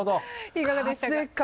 いかがでしたか？